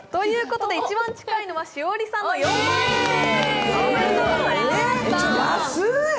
一番近いのは栞里さんの４万円です。